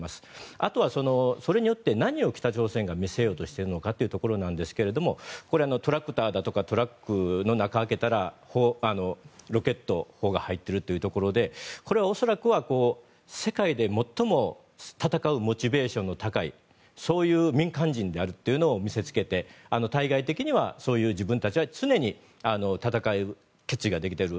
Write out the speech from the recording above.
あとはそれによって何を北朝鮮が見せようとしているのかということですがトラクターだとかトラックの中を開けたらロケット砲が入っているというところでこれは恐らくは世界で最も戦うモチベーションの高いそういう民間人であるというのを見せつけて対外的には、自分たちは常に戦える決意ができている。